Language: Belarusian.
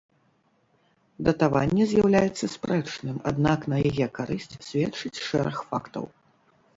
Датаванне з'яўляецца спрэчным, аднак на яе карысць сведчыць шэраг фактаў.